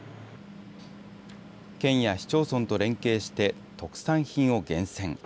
県や市町村と連携して、特産品を厳選。